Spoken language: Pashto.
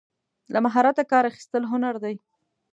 له مهارته کار اخیستل هنر دی.